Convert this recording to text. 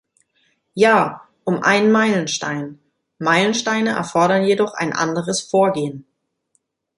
Ja, um einen Meilenstein, Meilensteine erfordern jedoch ein anderes Vorgehen.